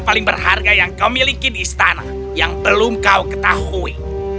paling berharga yang kau miliki di istana yang belum kau ketahui